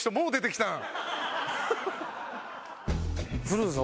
来るぞ。